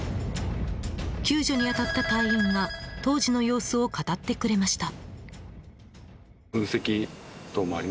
救助に当たった隊員が当時の様子を語ってくれました。